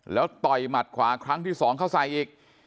แล้วต่อยหมัดขวาครั้งที่สองเข้าใส่อีก